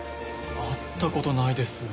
会った事ないです。